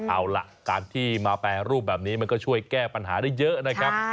เอาล่ะการที่มาแปรรูปแบบนี้มันก็ช่วยแก้ปัญหาได้เยอะนะครับ